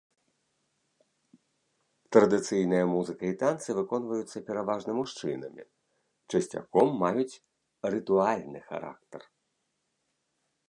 Традыцыйная музыка і танцы выконваюцца пераважна мужчынамі, часцяком маюць рытуальны характар.